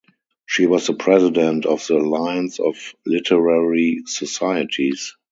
She was the President of the Alliance of Literary Societies.